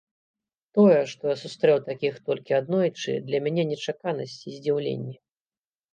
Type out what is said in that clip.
Тое, што я сустрэў такіх толькі аднойчы, для мяне нечаканасць і здзіўленне.